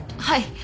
はい。